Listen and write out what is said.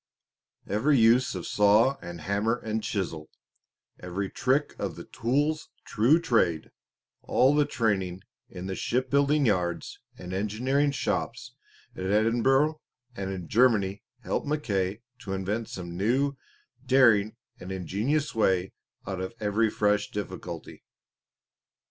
Every use of saw and hammer and chisel, every "trick of the tool's true trade," all the training in the shipbuilding yards and engineering shops at Edinburgh and in Germany helped Mackay to invent some new, daring and ingenious way out of every fresh difficulty.